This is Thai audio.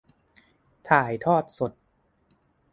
ถ่ายทอดสด